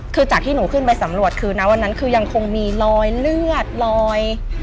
คือจากที่หนูขึ้นไปสำรวจคือนะวันนั้นคือยังคงมีรอยเลือดลอย